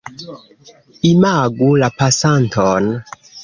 Imagu la pasanton.